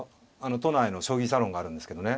都内の将棋サロンがあるんですけどね。